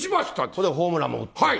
それでホームランも打って。